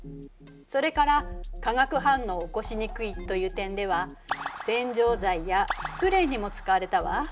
それから化学反応を起こしにくいという点では洗浄剤やスプレーにも使われたわ。